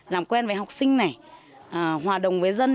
làm quen với học sinh này hòa đồng với dân